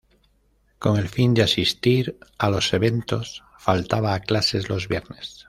Con el fin de asistir a los eventos, faltaba a clases los viernes.